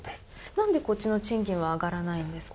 なんで、こっちの賃金は上がらないんですか？